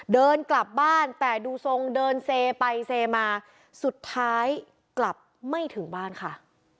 เดินกลับบ้านแต่ดูทรงเดินเซไปเซมาสุดท้ายกลับไม่ถึงบ้านค่ะ